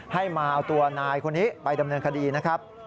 ให้มาเอาตัวนายคนนี้ไปดำเนินคดีนะครับ